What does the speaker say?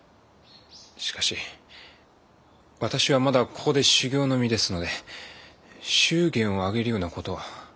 しかし私はまだここで修業の身ですので祝言を挙げるような事は。